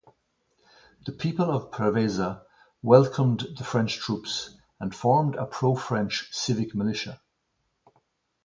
The people of Preveza welcomed the French troops, and formed a pro-French civic militia.